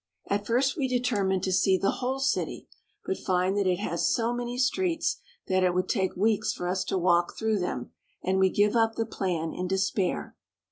At first we determine to see the whole city, but find that it has so many streets that it would take weeks for us to walk through them, and we give up the plan in despair.